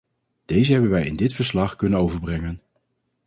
Deze hebben wij in dit verslag kunnen overbrengen.